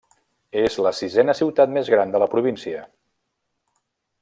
És la sisena ciutat més gran de la província.